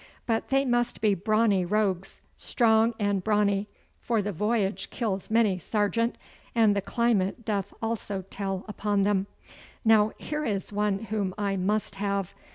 But they must be brawny rogues strong and brawny, for the voyage kills many, sergeant, and the climate doth also tell upon them. Now here is one whom I must have.